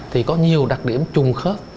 thì có nhiều đặc điểm trùng khớp